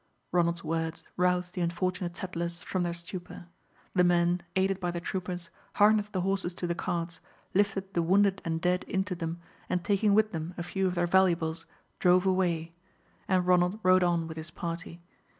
Ronald's words roused the unfortunate settlers from their stupor. The men, aided by the troopers, harnessed the horses to the carts, lifted the wounded and dead into them, and taking with them a few of their valuables, drove away, and Ronald rode on with his party.